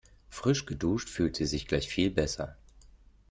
Frisch geduscht fühlt sie sich gleich viel besser.